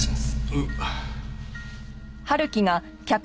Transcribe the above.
おう。